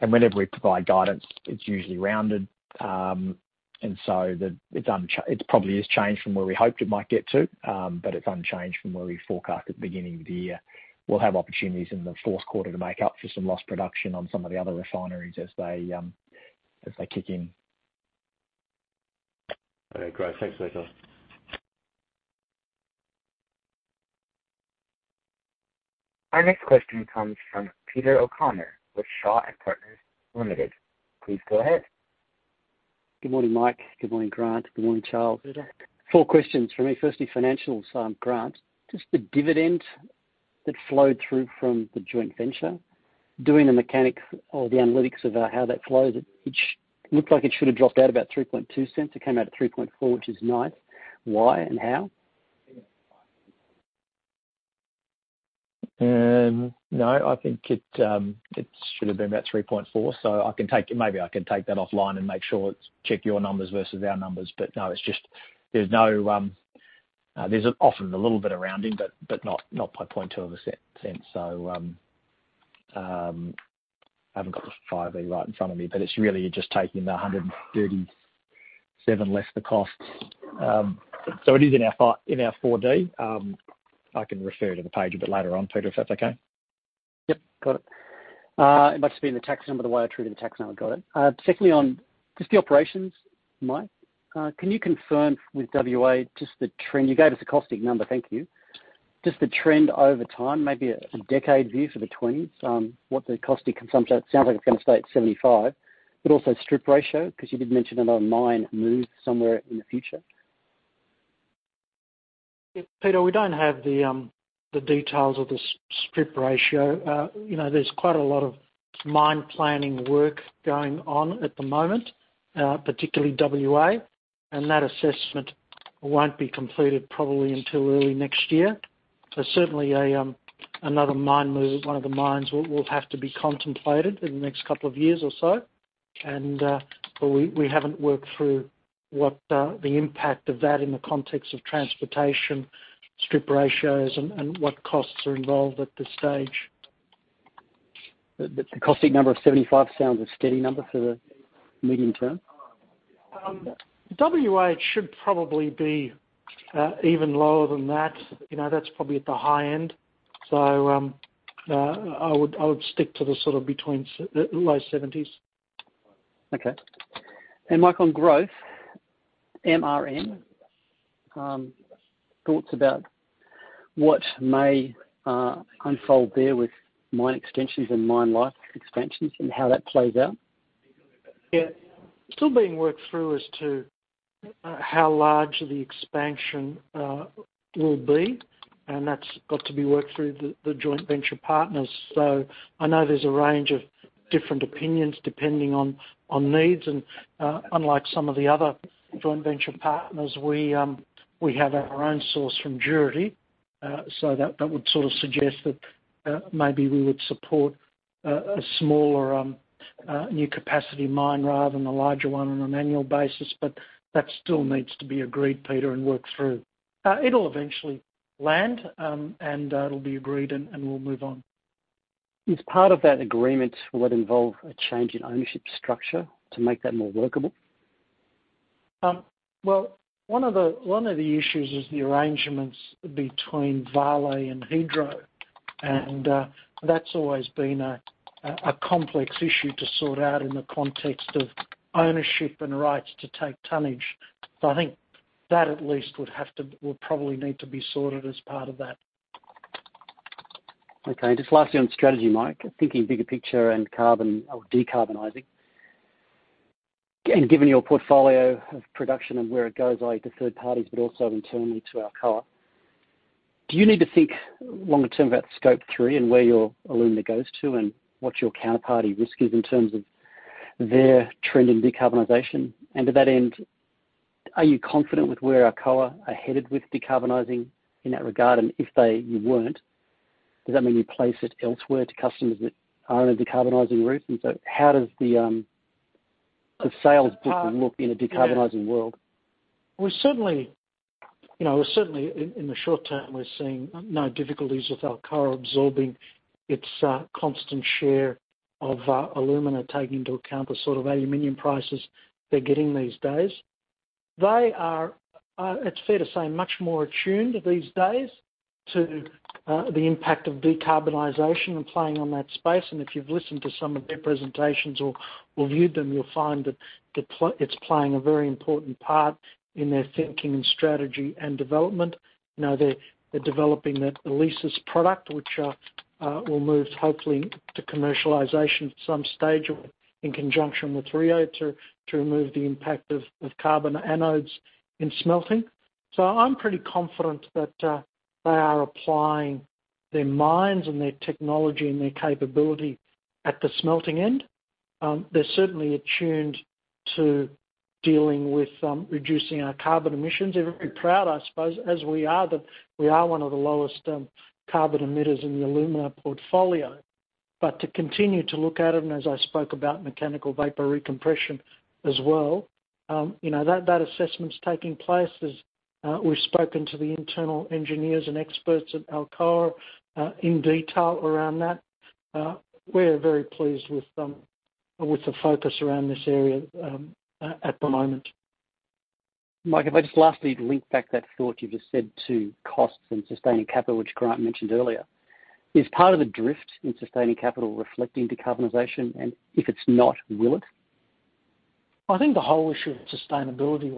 Whenever we provide guidance, it's usually rounded. It probably is changed from where we hoped it might get to, but it's unchanged from where we forecast at the beginning of the year. We'll have opportunities in the fourth quarter to make up for some lost production on some of the other refineries as they kick in. Okay, great. Thanks. Our next question comes from Peter O'Connor with Shaw and Partners Limited. Please go ahead. Good morning, Mike. Good morning, Grant. Good morning, Charles. Good day. Four questions from me. Financials. Grant, just the dividend that flowed through from the joint venture, doing the mechanic or the analytics of how that flows, it looked like it should have dropped out about $0.032. It came out at $0.034, which is nice. Why and how? I think it should have been about $0,034. Maybe I can take that offline and make sure, check your numbers versus our numbers. No, there's often a little bit of rounding, but not by $0.002. I haven't got the 5A right in front of me, but it's really just taking the $137 less the costs. It is in our 4D. I can refer to the page a bit later on, Peter, if that's okay. Yes, got it. It must have been the tax number, the way I treated the tax number. Got it. Secondly, on just the operations, Mike, can you confirm with WA just the trend? You gave us a caustic number. Thank you. Just the trend over time, maybe a decade view for the 2020s, what the caustic consumption. It sounds like it's going to stay at 75. Also strip ratio, because you did mention another mine moved somewhere in the future. Peter, we don't have the details of the strip ratio. There's quite a lot of mine planning work going on at the moment, particularly WA, and that assessment won't be completed probably until early next year. Certainly, another mine move at one of the mines will have to be contemplated in the next two years or so. We haven't worked through what the impact of that in the context of transportation, strip ratios, and what costs are involved at this stage. The caustic number of 75 sounds a steady number for the medium term? WA should probably be even lower than that. That's probably at the high end. I would stick to the sort of between low 70s. Okay. Mike, on growth, MRN, thoughts about what may unfold there with mine extensions and mine life expansions and how that plays out? Yeah. Still being worked through as to how large the expansion will be, and that's got to be worked through the joint venture partners. I know there's a range of different opinions depending on needs and, unlike some of the other joint venture partners, we have our own source from Juruti. That would sort of suggest that maybe we would support a smaller, new capacity mine rather than a larger one on an annual basis. That still needs to be agreed, Peter, and worked through. It'll eventually land, and it'll be agreed, and we'll move on. Is part of that agreement, will it involve a change in ownership structure to make that more workable? Well, one of the issues is the arrangements between Vale and Hydro. That's always been a complex issue to sort out in the context of ownership and rights to take tonnage. I think that at least would probably need to be sorted as part of that. Okay. Just lastly, on strategy, Mike, thinking bigger picture and carbon or decarbonizing. Given your portfolio of production and where it goes, i.e. to third parties but also internally to Alcoa. Do you need to think longer term about Scope 3 and where your alumina goes to? What your counterparty risk is in terms of their trend in decarbonization? To that end, are you confident with where Alcoa are headed with decarbonizing in that regard? If you weren't, does that mean you place it elsewhere to customers that are on a decarbonizing route? How does the sales picture look in a decarbonizing world? We're certainly, in the short term, we're seeing no difficulties with Alcoa absorbing its constant share of alumina, taking into account the sort of aluminum prices they're getting these days. They are, it's fair to say, much more attuned these days to the impact of decarbonization and playing on that space. If you've listened to some of their presentations or reviewed them, you'll find that it's playing a very important part in their thinking and strategy and development. They're developing that ELYSIS product, which will move hopefully to commercialization at some stage in conjunction with Rio to remove the impact of carbon anodes in smelting. I'm pretty confident that they are applying their minds and their technology and their capability at the smelting end. They're certainly attuned to dealing with reducing our carbon emissions. They're very proud, I suppose, as we are, that we are one of the lowest carbon emitters in the alumina portfolio. To continue to look at it, and as I spoke about Mechanical Vapor Recompression as well, that assessment's taking place. We've spoken to the internal engineers and experts at Alcoa, in detail around that. We're very pleased with the focus around this area at the moment. Mike, if I just lastly link back that thought you've just said to costs and sustaining capital, which Grant mentioned earlier. Is part of the drift in sustaining capital reflecting decarbonization? If it's not, will it? I think the whole issue of sustainability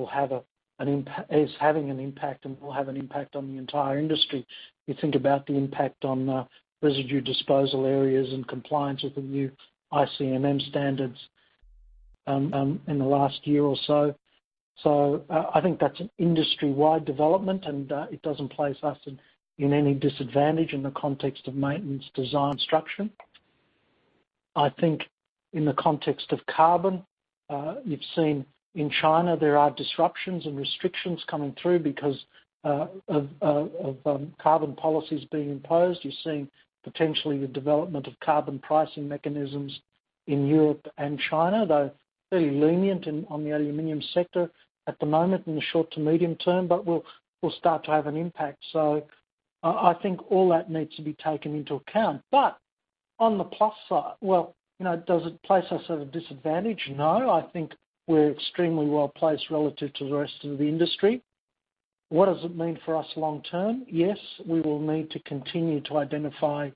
is having an impact and will have an impact on the entire industry. You think about the impact on residue disposal areas and compliance with the new ICMM standards in the last year or so. I think that's an industry-wide development, and it doesn't place us in any disadvantage in the context of maintenance design structure. I think in the context of carbon, you've seen in China there are disruptions and restrictions coming through because of carbon policies being imposed. You're seeing potentially the development of carbon pricing mechanisms in Europe and China, though fairly lenient on the aluminum sector at the moment in the short to medium term, but will start to have an impact. I think all that needs to be taken into account. On the plus side, well, does it place us at a disadvantage? No. I think we're extremely well-placed relative to the rest of the industry. What does it mean for us long term? Yes, we will need to continue to identify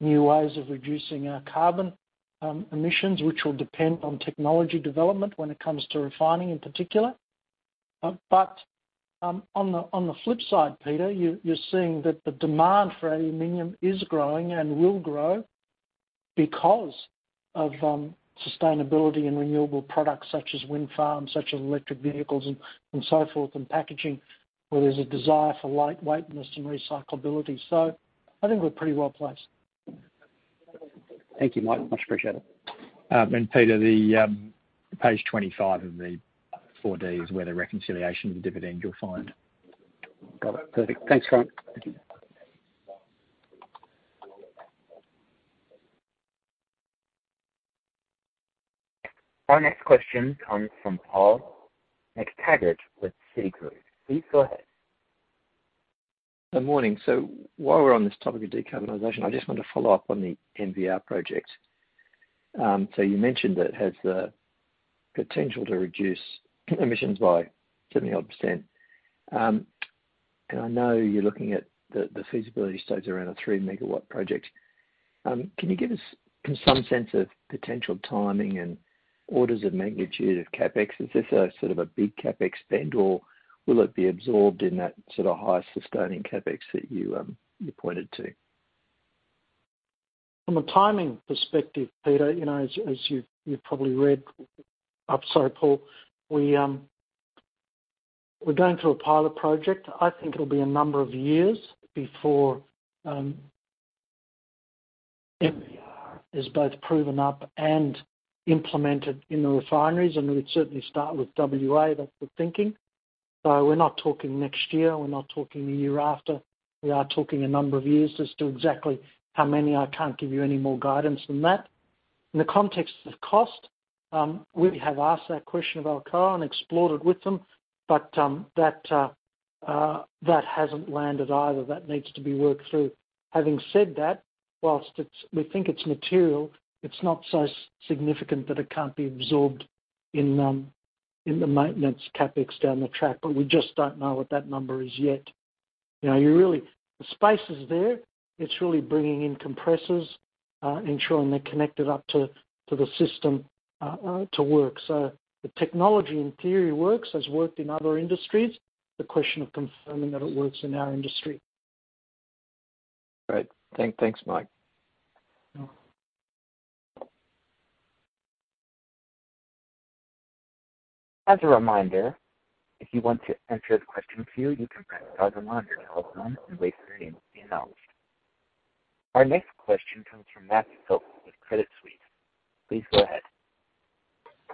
new ways of reducing our carbon emissions, which will depend on technology development when it comes to refining in particular. On the flip side, Peter, you're seeing that the demand for aluminum is growing and will grow because of sustainability and renewable products such as wind farms, such as electric vehicles and so forth, and packaging, where there's a desire for lightweightness and recyclability. I think we're pretty well-placed. Thank you, Mike. Much appreciated. Peter, the page 25 of the 4D is where the reconciliation of the dividend you'll find. Got it. Perfect. Thanks, Grant. Our next question comes from Paul McTaggart with Citigroup. Please go ahead. Good morning. While we're on this topic of decarbonization, I just want to follow up on the MVR project. You mentioned that it has the potential to reduce emissions by 70-odd%. I know you're looking at the feasibility studies around a 3 MW project. Can you give us some sense of potential timing and orders of magnitude of CapEx? Is this a big CapEx spend, or will it be absorbed in that high sustaining CapEx that you pointed to? From a timing perspective, Peter, as you've probably read up. Sorry, Paul. We're going through a pilot project. I think it'll be a number of years before MVR is both proven up and implemented in the refineries, and we'd certainly start with WA, that's the thinking. We're not talking next year, we're not talking the year after. We are talking a number of years. As to exactly how many, I can't give you any more guidance than that. In the context of cost, we have asked that question of Alcoa and explored it with them. That hasn't landed either. That needs to be worked through. Having said that, whilst we think it's material, it's not so significant that it can't be absorbed in the maintenance CapEx down the track. We just don't know what that number is yet. The space is there. It's really bringing in compressors, ensuring they're connected up to the system to work. The technology in theory works, has worked in other industries. It's a question of confirming that it works in our industry. Great. Thanks, Mike. As a reminder, if you want to enter the question queue, you can press star one on your telephone and wait for your name to be announced. Our next question comes from Matthew Hope with Credit Suisse. Please go ahead.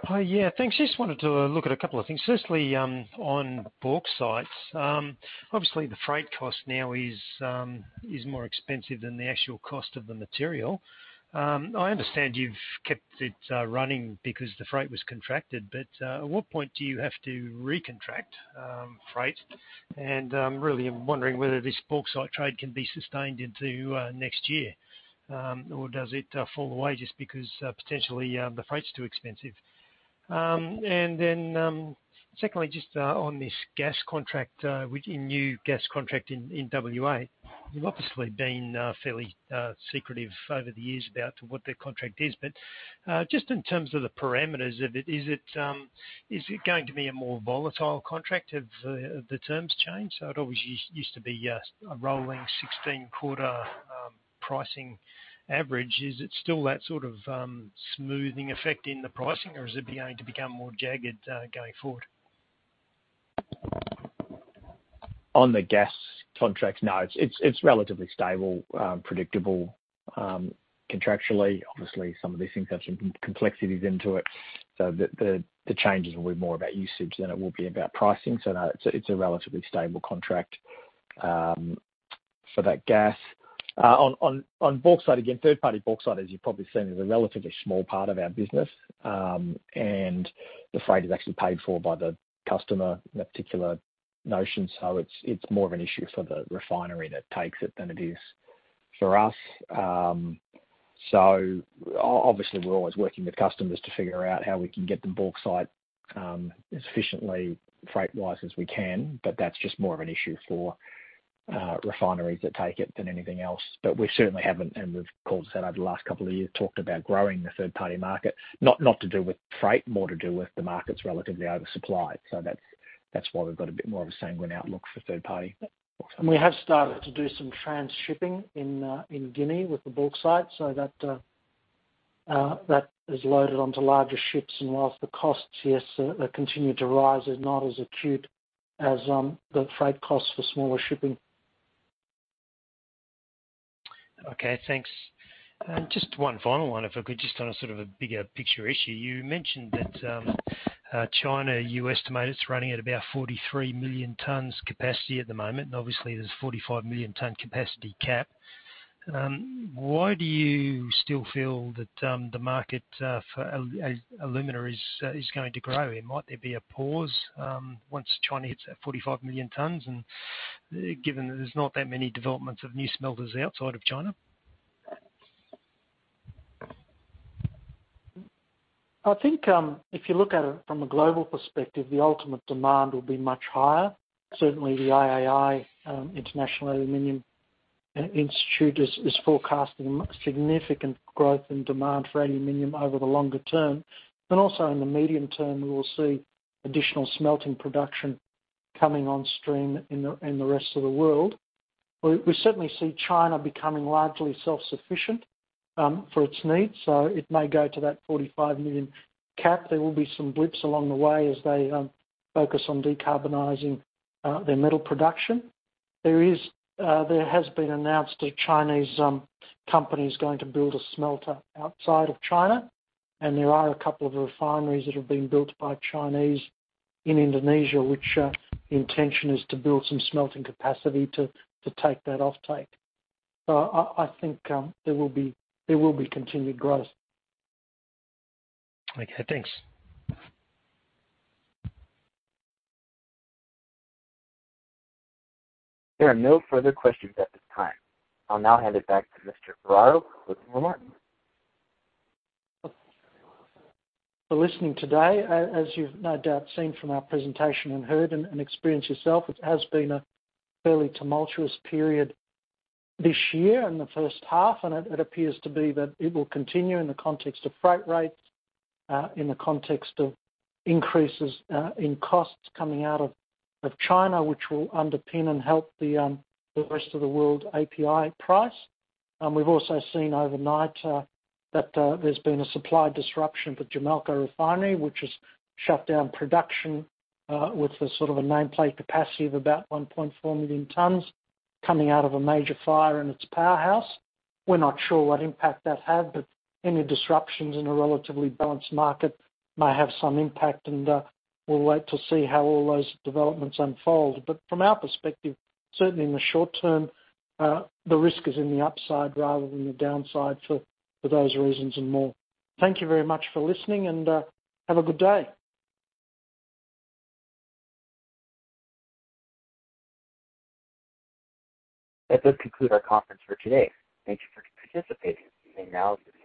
Hi, yeah, thanks. Just wanted to look at a couple of things. Firstly, on bauxite. Obviously, the freight cost now is more expensive than the actual cost of the material. I understand you've kept it running because the freight was contracted, but at what point do you have to recontract freight? I'm really wondering whether this bauxite trade can be sustained into next year. Does it fall away just because potentially the freight's too expensive? Secondly, just on this gas contract, with your new gas contract in WA. You've obviously been fairly secretive over the years about what that contract is. Just in terms of the parameters of it, is it going to be a more volatile contract? Have the terms changed? It obviously used to be a rolling 16-quarter pricing average. Is it still that sort of smoothing effect in the pricing, or is it going to become more jagged going forward? On the gas contract, no. It's relatively stable, predictable contractually. Obviously, some of these things have some complexities into it. The changes will be more about usage than it will be about pricing. No, it's a relatively stable contract for that gas. On bauxite, again, third-party bauxite, as you've probably seen, is a relatively small part of our business. The freight is actually paid for by the customer in that particular notion. It's more of an issue for the refinery that takes it than it is for us. Obviously, we're always working with customers to figure out how we can get the bauxite as efficiently freight-wise as we can. That's just more of an issue for refineries that take it than anything else. We certainly haven't, and as Paul said, over the last couple of years, talked about growing the third-party market. Not to do with freight, more to do with the market's relatively oversupplied. That's why we've got a bit more of a sanguine outlook for third-party bauxite. We have started to do some transshipping in Guinea with the bauxite, so that is loaded onto larger ships. Whilst the costs, yes, they continue to rise, they are not as acute as the freight costs for smaller shipping. Thanks. Just one final one if I could, just on a sort of a bigger picture issue. You mentioned that China, you estimate it's running at about 43 million tonnes capacity at the moment, and obviously there's a 45 million-tonne capacity cap. Why do you still feel that the market for alumina is going to grow? Might there be a pause once China hits that 45 million tonnes, and given that there's not that many developments of new smelters outside of China? I think if you look at it from a global perspective, the ultimate demand will be much higher. Certainly, the IAI, International Aluminium Institute, is forecasting significant growth in demand for aluminium over the longer term. Also in the medium term, we will see additional smelting production coming on stream in the rest of the world. We certainly see China becoming largely self-sufficient for its needs. It may go to that 45 million cap. There will be some blips along the way as they focus on decarbonizing their metal production. There has been announced a Chinese company is going to build a smelter outside of China, and there are a couple of refineries that have been built by Chinese in Indonesia, which intention is to build some smelting capacity to take that offtake. I think there will be continued growth. Okay, thanks. There are no further questions at this time. I'll now hand it back to Mr. Ferraro for closing remarks. For listening today. As you've no doubt seen from our presentation and heard and experienced yourself, it has been a fairly tumultuous period this year in the first half, and it appears to be that it will continue in the context of freight rates, in the context of increases in costs coming out of China, which will underpin and help the rest of the world API price. We've also seen overnight that there's been a supply disruption at the Jamalco Refinery, which has shut down production with a sort of a nameplate capacity of about 1.4 million tons coming out of a major fire in its powerhouse. We're not sure what impact that had, but any disruptions in a relatively balanced market may have some impact, and we'll wait to see how all those developments unfold. From our perspective, certainly in the short term, the risk is in the upside rather than the downside for those reasons and more. Thank you very much for listening, and have a good day. That does conclude our conference for today. Thank you for participating. You may now disconnect.